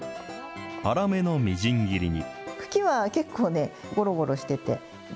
粗めのみじん切りに。